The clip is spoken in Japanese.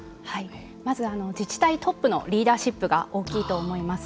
まず、自治体トップのリーダーシップが大きいと思います。